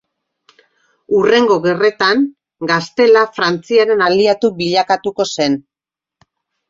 Hurrengo gerretan Gaztela Frantziaren aliatu bilakatuko zen.